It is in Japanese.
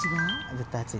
絶対熱い。